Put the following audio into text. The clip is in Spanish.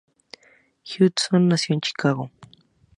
Judson nació en Chicago.